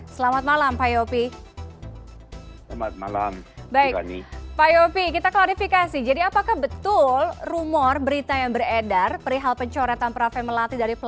selamat malam pak yopi